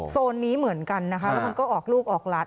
โซนนี้เหมือนกันนะคะแล้วมันก็ออกลูกออกหลาน